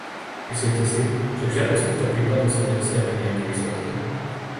Myslíte si, že v žiadnom z týchto prípadov sa nedosiahli nijaké výsledky?